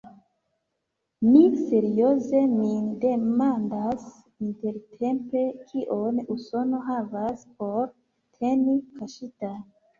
Mi serioze min demandas intertempe: kion Usono havas por teni kaŝita?